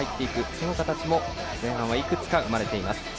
その形も、前半はいくつか生まれています。